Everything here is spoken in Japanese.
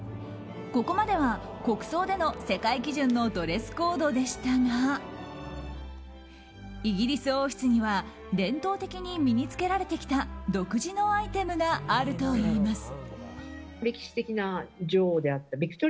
ここまでは国葬での世界基準のドレスコードでしたがイギリス王室には伝統的に身に着けられてきた独自のアイテムがあるといいます。